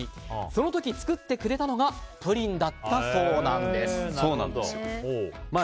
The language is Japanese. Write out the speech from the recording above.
その時作ってくれたのがプリンだったそうなんです。